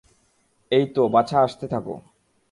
এই তো, বাছা, আসতে থাকো।